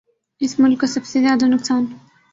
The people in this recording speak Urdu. اس ملک کو سب سے زیادہ نقصان